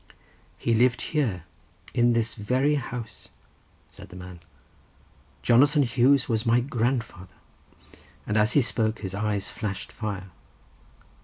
"He lived here, in this very house," said the man; "Jonathan Hughes was my grandfather!" and as he spoke his eyes flashed fire.